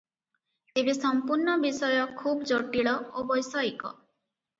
ତେବେ ସମ୍ପୂର୍ଣ୍ଣ ବିଷୟ ଖୁବ ଜଟିଳ ଓ ବୈଷୟିକ ।